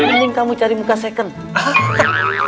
mending kamu cari muka second